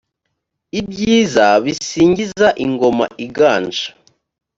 ibyiza bisingiza ingoma iganje